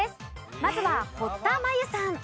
まずは堀田真由さん。